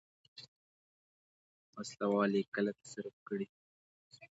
وسله وال یې کله تصرف کړي.